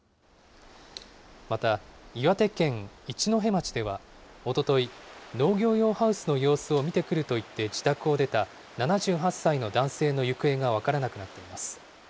また、岩手県一戸町では、おととい、農業用ハウスの様子を見てくると言って自宅を出た７８歳の男性の行方が分からなくなっています。